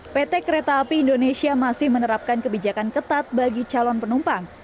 pt kereta api indonesia masih menerapkan kebijakan ketat bagi calon penumpang